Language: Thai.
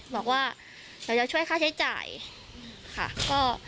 บอกว่าเดี๋ยวจะช่วยค่าใช้จ่ายค่ะ